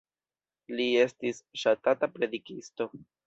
Li estis ŝatata predikisto.